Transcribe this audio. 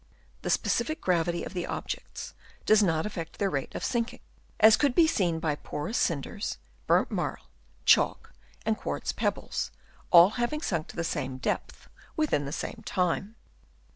The specific gravity of the objects does not affect their rate of sinking, as could be seen by porous cinders, burnt marl, chalk and quartz pebbles, having all sunk to the same depth within the same time.